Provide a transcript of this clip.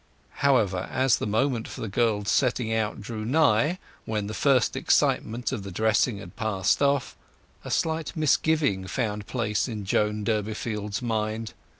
However, as the moment for the girl's setting out drew nigh, when the first excitement of the dressing had passed off, a slight misgiving found place in Joan Durbeyfield's mind.